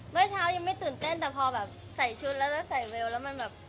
เมื่อเช้ายังไม่ตื่นเต้นแต่พอใส่ชุดแล้วใส่เวลล์